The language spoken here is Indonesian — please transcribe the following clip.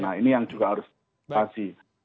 nah ini yang juga harus dibatasi